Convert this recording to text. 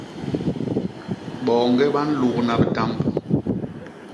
Boñge ba nlugna bitamb.